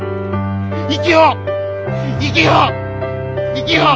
生きよう！